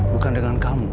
bukan dengan kamu